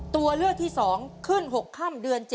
ตัวเลือกที่๒ขึ้น๖ค่ำเดือน๗